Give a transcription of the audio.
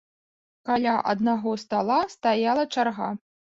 Каля аднаго стала стаяла чарга.